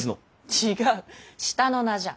違う下の名じゃ。